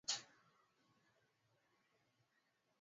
magugu hurutubisha udongo